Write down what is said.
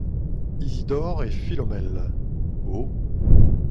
Isidore et Philomèle. — Oh !